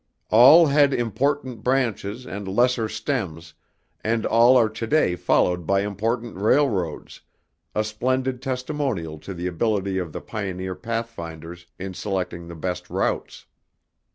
All had important branches and lesser stems, and all are today followed by important railroads a splendid testimonial to the ability of the pioneer pathfinders in selecting the best routes.